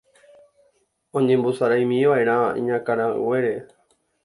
oñembosaráimiva'erã iñakãraguére